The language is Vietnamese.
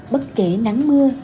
bất kể nắng mưa